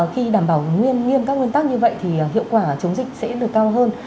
khi đảm bảo nguyên nghiêm các nguyên tắc như vậy thì hiệu quả chống dịch sẽ được cao hơn